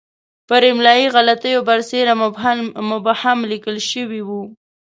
پر املایي غلطیو برسېره مبهم لیکل شوی وو.